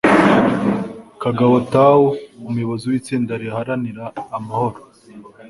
Kagabo Thau, umuyobozi w'itsinda riharanira amahoro